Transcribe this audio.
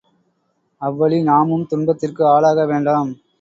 அவ்வழி நாமும் துன்பத்திற்கு ஆளாக வேண்டாம்!